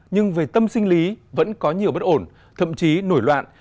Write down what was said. nhưng về tâm sinh lý vẫn có nhiều bất ổn thậm chí nổi loạn